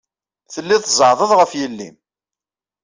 Telliḍ tzeɛɛḍeḍ ɣef yelli-m.